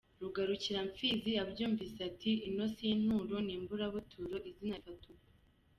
Rugarukiramfizi abyumvise ati "Ino si inturo ni imburabuturo", izina rifata ubwo.